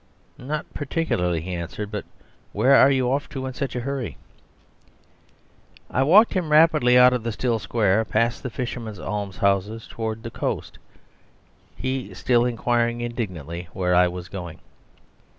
"Not particularly," he answered; "but where are you off to in such a hurry?" I walked him rapidly out of the still square, past the fishermen's almshouses, towards the coast, he still inquiring indignantly where I was going.